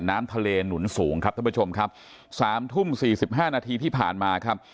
น้ำทะเลหนุนสูงครับท่านผู้ชมครับสามทุ่มสี่สิบห้านาทีที่ผ่านมาครับ